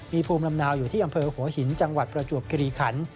มีภูมิลำเนาอยู่ที่อำเภอหัวหินจังหวัดประจวบคิริขัน